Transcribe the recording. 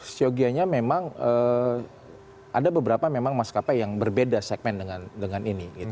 syogianya memang ada beberapa memang maskapai yang berbeda segmen dengan ini